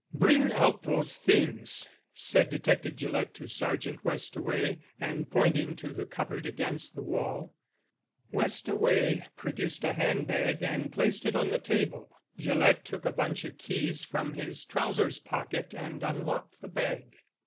"Bring out those things," said Detective Gillett to Sergeant Westaway, and pointing to the cupboard against the wall. Westaway produced a hand bag and placed it on the table. Gillett took a bunch of keys from his trousers pocket and unlocked the bag.